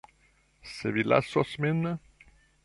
Se vi lasos min.